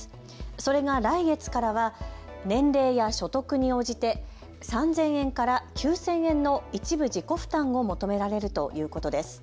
それが来月からは年齢や所得に応じて３０００円から９０００円の一部自己負担を求められるということです。